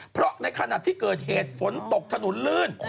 เพราะในขณะที่เกิดเหตุฝนตกถนนลื่น